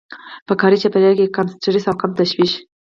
په کاري چاپېريال کې کم سټرس او کم تشويش.